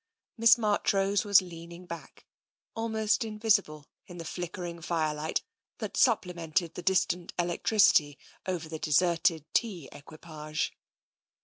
Miss Marchrose was leaning back, almost invisible in the flickering firelight that supplemented the dis tant electricity over the deserted tea equipage.